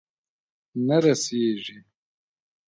نه رسیږې